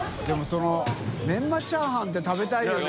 そのメンマチャーハンって食べたいよね。